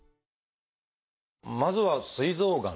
まずは「すい臓がん」。